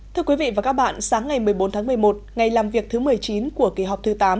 thưa quý vị và các bạn sáng ngày một mươi bốn tháng một mươi một ngày làm việc thứ một mươi chín của kỳ họp thứ tám